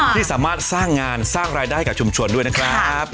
ที่สามารถสร้างงานสร้างรายได้กับชุมชนด้วยนะครับ